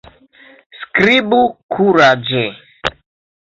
Skribu kuraĝe!